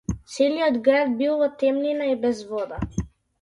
Целиот град бил во темнина и без вода.